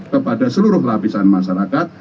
kepada seluruh lapisan masyarakat